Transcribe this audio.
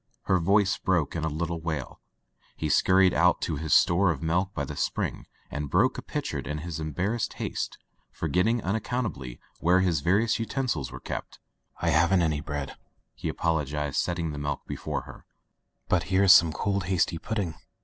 '* Her voice broke in a little wail. He scur ried out to his store of milk by the spring, and broke a pitcher in his embarrassed haste, forgetting unaccountably where his various utensils were kept. "I haven't any bread," he apologized, set ting the milk before her, "but here is some cold hasty pudding."